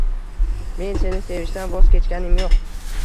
Men seni sevishdan voz kechganim yo’q.